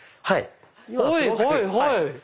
はい。